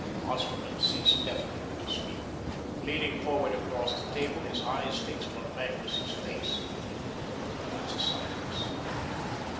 Osterman ceased definitely to speak, leaning forward across the table, his eyes fixed on Magnus's face. There was a silence.